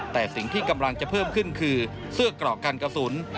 แต่สิ่งที่กำลังจะเพิ่มขึ้นคือเสื้อกรอกกันกระสุน